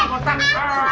om jin disini